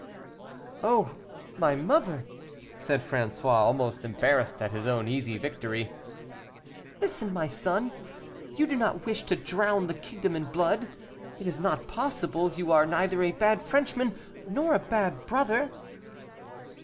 "Oh, my mother!" said François, almost embarrassed at his own easy victory. "Listen, my son. You do not wish to drown the kingdom in blood it is not possible; you are neither a bad Frenchman nor a bad brother."